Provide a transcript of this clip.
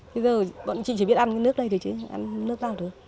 bây giờ bọn chị chỉ biết ăn nước đây thôi chứ ăn nước nào được